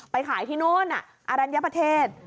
ไปขายที่โน้นอรัญญประเทศ